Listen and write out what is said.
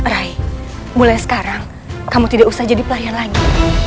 rai mulai sekarang kamu tidak usah jadi pelayan lagi